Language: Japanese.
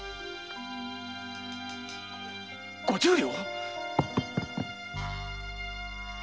「五十両」？